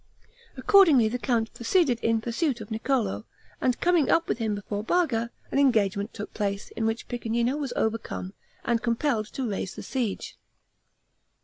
Accordingly the count proceeded in pursuit of Niccolo, and coming up with him before Barga, an engagement took place, in which Piccinino was overcome, and compelled to raise the siege.